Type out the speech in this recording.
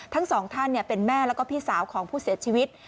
ทั้งสองท่านเป็นแม่แล้วก็พี่สาวของผู้เสียชีวิต